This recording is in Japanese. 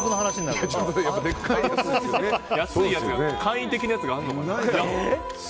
安いやつ、簡易的なやつがあるのかな。